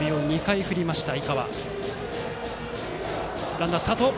ランナー、スタート！